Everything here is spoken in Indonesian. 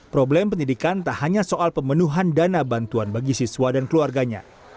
problem pendidikan tak hanya soal pemenuhan dana bantuan bagi siswa dan keluarganya